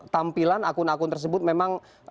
tampilan akun akun tersebut memang